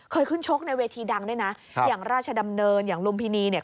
เคยขึ้นชกในเวทีดังด้วยนะอย่างราชดำเนินอย่างลุมพินีเนี่ย